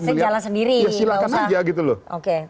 maksudnya jalan sendiri